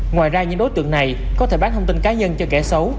ngoài ra những đối tượng này có thể bán thông tin cá nhân cho kẻ xấu